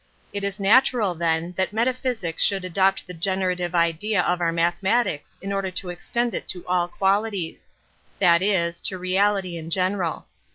It is' natural, then, that metaphysics should adopt the generative idea of our mathe matics in order to extend it to all qualities; that is, to reality in general.